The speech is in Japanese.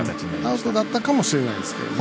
アウトだったかもしれないですけどね。